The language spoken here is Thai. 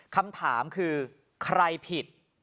คำถามคือใครผิด